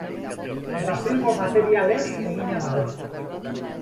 Brasilgo materialez egina dago.